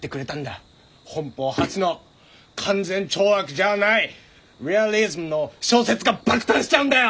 本邦初の勧善懲悪じゃあないＲｅａｌｉｓｍの小説が爆誕しちゃうんだよ！